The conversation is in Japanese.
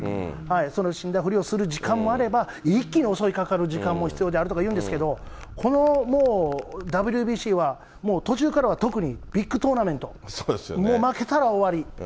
その死んだふりをする時間もあれば、一気に襲いかかる時間も必要だとかいうんですけど、このもう、ＷＢＣはもう途中からは特に、ビッグトーナメント、もう負けたら終わり。